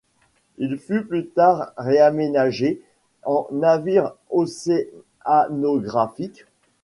Il fut plus tard réaménagé en navire océanographique.